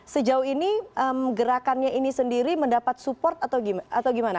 sejauh ini gerakannya ini sendiri mendapat support atau gimana